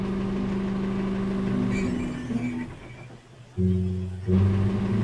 Difícil abscisión del pedúnculo y poca facilidad de pelado.